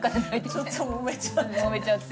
ちょっともめちゃって。